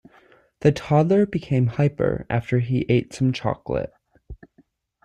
The toddler became hyper after he ate some chocolate.